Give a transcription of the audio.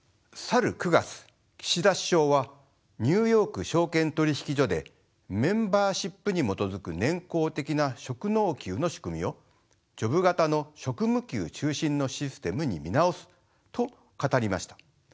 去る９月岸田首相はニューヨーク証券取引所でメンバーシップに基づく年功的な職能給の仕組みをジョブ型の職務給中心のシステムに見直すと語りました。